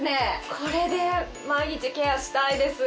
これで毎日ケアしたいです。